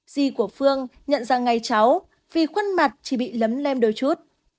di của phương nhận ra ngay cháu vì khuân mặt chỉ bị lấm lem đôi chút